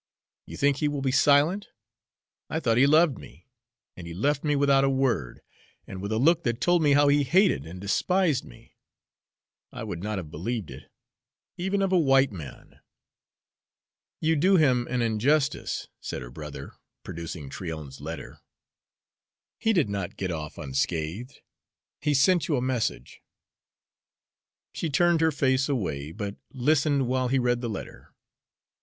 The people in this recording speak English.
You think he will be silent; I thought he loved me, and he left me without a word, and with a look that told me how he hated and despised me. I would not have believed it even of a white man." "You do him an injustice," said her brother, producing Tryon's letter. "He did not get off unscathed. He sent you a message." She turned her face away, but listened while he read the letter.